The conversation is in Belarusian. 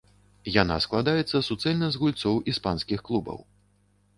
Яна складаецца суцэльна з гульцоў іспанскіх клубаў!